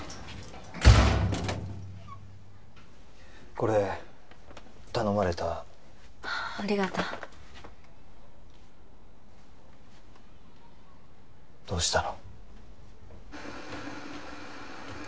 これ頼まれたありがとうどうしたの？